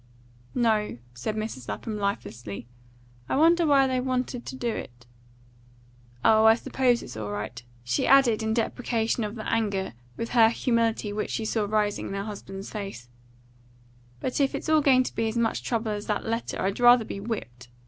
"No," said Mrs. Lapham lifelessly; "I wonder why they wanted to do it. Oh, I suppose it's all right," she added in deprecation of the anger with her humility which she saw rising in her husband's face; "but if it's all going to be as much trouble as that letter, I'd rather be whipped.